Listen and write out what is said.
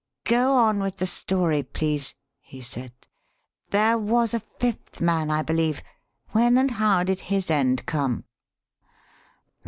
"Go on with the story, please," he said. "There was a fifth man, I believe. When and how did his end come?"